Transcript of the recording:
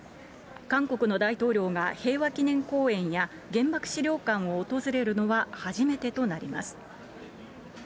韓国の大統領が平和記念公園や原爆資料館を訪れるのは初めてとなります。